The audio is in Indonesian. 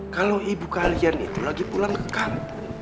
kalau ibu kalian itu lagi pulang ke kampung